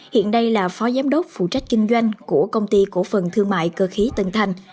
hiện đây là phó giám đốc phụ trách kinh doanh của công ty cổ phần thương mại cơ khí tân thành